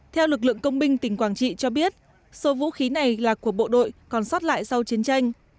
theo lực lượng công binh tỉnh quảng trị cho biết số vũ khí này là của bộ đội còn sót lại sau chiến tranh